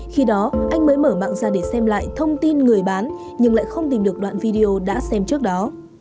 khi đó anh mới mở mạng ra để xem lại thông tin người bán nhưng lại không tìm được đoạn video đã xem trước đó